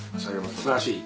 すばらしい。